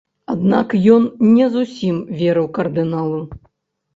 Аднак ён не зусім верыў кардыналу.